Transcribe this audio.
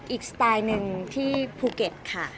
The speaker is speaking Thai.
สไตล์หนึ่งที่ภูเก็ตค่ะ